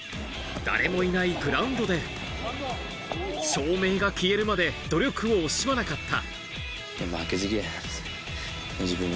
誰もいないグラウンドで、照明が消えるまで努力を惜しまなかった。